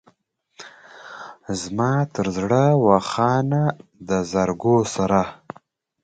زما تر زړه و خانه د زرګو سره.